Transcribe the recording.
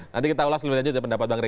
nanti kita ulas dulu aja pendapat bang rey